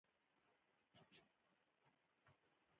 تر هغوی لا بلا زیاته ده.